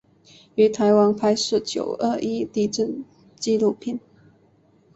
于台湾拍摄九二一地震纪录片。